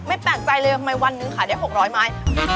แปลกใจเลยทำไมวันนึงขายได้๖๐๐ไม้